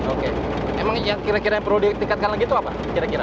oke emang yang kira kira yang perlu ditingkatkan lagi itu apa kira kira